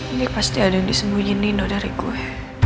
ini pasti ada yang disembunyiin nino dari gue